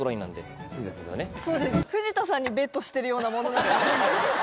そうです藤田さんにベットしてるようなもの。